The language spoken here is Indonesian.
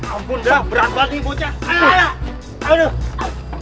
ampun dah berat banget nih bocah